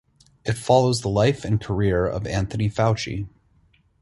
It follows the life and career of Anthony Fauci.